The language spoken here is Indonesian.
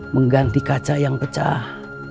mengganti kaca yang pecah